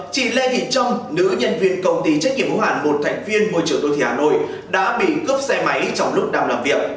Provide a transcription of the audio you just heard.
chị lê thị trông nữ nhân viên công ty trách nhiệm hữu hạn một thành viên môi trường đô thị hà nội đã bị cướp xe máy trong lúc đang làm việc